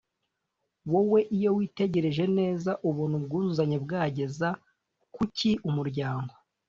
Wowe iyo witegereje neza ubona ubwuzuzanye bwageza ku ki umuryango?